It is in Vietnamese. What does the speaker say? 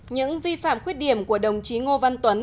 những vi phạm khuyết điểm của đồng chí ngô văn tuấn